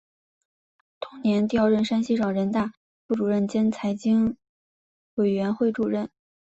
同年调任山西省人大副主任兼财经委员会主任。